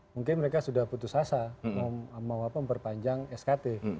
mungkin mereka sudah putus asa memperpanjang skt